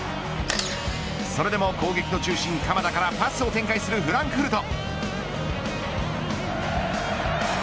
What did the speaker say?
それでも攻撃の中心、鎌田からパスを展開するフランクフルト。